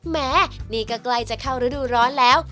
แม้นี่ก็ใกล้จะเข้าฤดูร้อนแล้ว